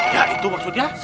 ya itu maksudnya